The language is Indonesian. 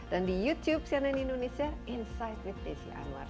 dan di youtube cnn indonesia insight with desi anwar